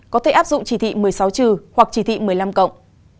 có thể áp dụng chỉ thị một mươi sáu trừ hoặc chỉ thị một mươi năm cộng